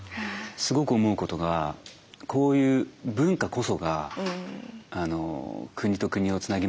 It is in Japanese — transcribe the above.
すごく思うことがこういう文化こそが国と国をつなげますね。